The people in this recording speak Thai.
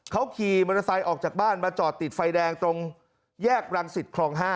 เขาขี่มอเตอร์ไซค์ออกจากบ้านมาจอดติดไฟแดงตรงแยกรังสิตคลอง๕